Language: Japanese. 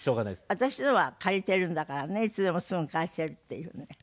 私のは借りてるんだからねいつでもすぐ返せるっていうね。